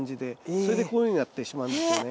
それでこういうふうになってしまうんですよね。